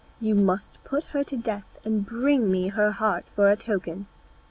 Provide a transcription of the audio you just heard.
You must put her to death, and bring me her heart for a token."